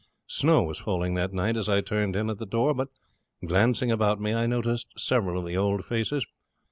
Snow was falling that night as I turned in at the door, but, glancing about me, I noticed several of the old faces.